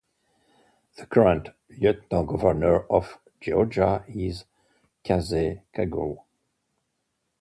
The current Lieutenant Governor of Georgia is Casey Cagle.